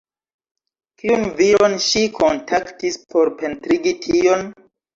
Kiun viron ŝi kontaktis por pentrigi tion?